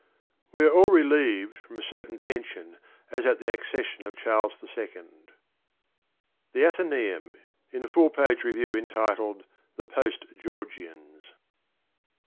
We are all relieved from a certain tension, as at the accession of Charles I 1. THE A THENAEUM. (In a full page review entitled the ' Post Georgians.'